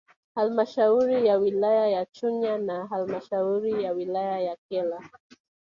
Halmashauri ya wilaya ya Chunya na halmashauri ya wilaya ya Kyela